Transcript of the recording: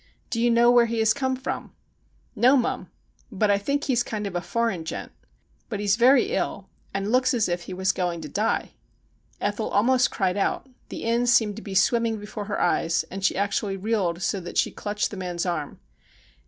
' Do you know where he has come from ?' THE UNBIDDEN GUEST 115 ' No, mum ; but I think he's kind of a foreign gent. But he's very ill and looks as if he was going to die.' Ethel almost cried out, the inn seemed to be swimming before her eyes, and she actually reeled so that she clutched the man's arm.